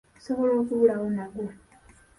Nsobola okubulawo nagwo.